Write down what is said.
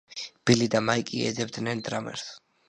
ბილი და მაიკი ეძებდნენ დრამერს.